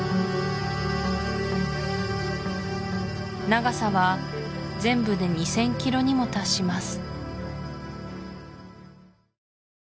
長さは全部で２０００キロにも達します